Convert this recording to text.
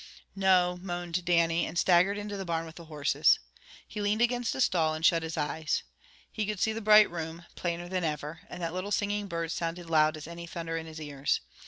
"No," moaned Dannie, and staggered into the barn with the horses. He leaned against a stall, and shut his eyes. He could see the bright room, plainer than ever, and that little singing bird sounded loud as any thunder in his ears.